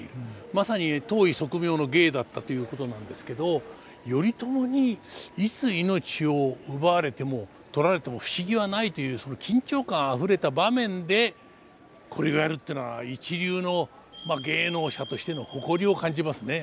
まさに当意即妙の芸だったということなんですけど頼朝にいつ命を奪われても取られても不思議はないというその緊張感あふれた場面でこれをやるというのは一流の芸能者としての誇りを感じますね。